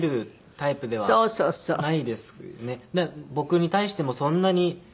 僕に対してもそんなに。